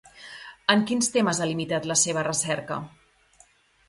En quins temes ha limitat la seva recerca?